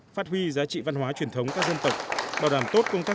phát huy giá trị văn hóa truyền thống các dân tộc bảo đảm tốt công tác